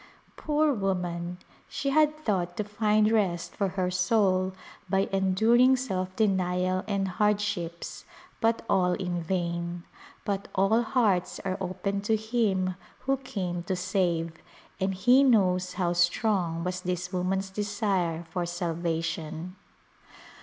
Poor woman ! she had thought to find rest for her soul by enduring self denial and hardships, but all in vain. But all hearts are open to Him who came to save, and He knows how strong was this woman's desire for salvation.